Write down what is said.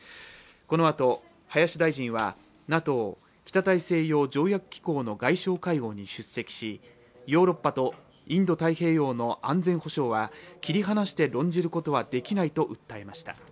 この後、林大臣はＮＡＴＯ＝北大西洋条約機構の外相会合に出席し「ヨーロッパとインド太平洋の安全保障は切り離して論じることはできない」と訴えました。